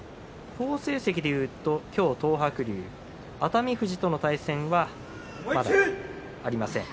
好成績でいうと今日、東白龍熱海富士との対戦はまだありません